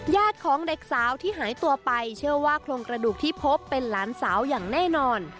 ของเด็กสาวที่หายตัวไปเชื่อว่าโครงกระดูกที่พบเป็นหลานสาวอย่างแน่นอน